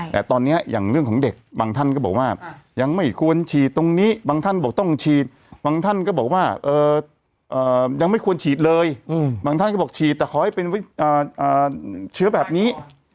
แต่ตอนนี้อย่างเรื่องของเด็กบางท่านก็บอกว่ายังไม่ควรฉีดตรงนี้บางท่านบอกต้องฉีดบางท่านก็บอกว่ายังไม่ควรฉีดเลยบางท่านก็บอกฉีดแต่ขอให้เป็นเชื้อแบบนี้